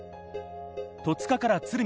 戸塚から鶴見